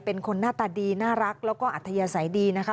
เป็นคนหน้าตาดีน่ารักแล้วก็อัธยาศัยดีนะคะ